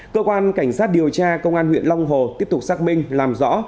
cơ quan cảnh sát điều tra công an huyện long hồ tiếp tục xác minh làm rõ